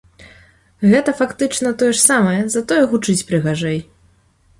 Гэта фактычна тое ж самае, затое гучыць прыгажэй.